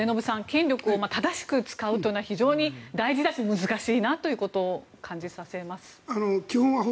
権力を正しく使うというのは非常に大事だし難しいなということを感じさせます。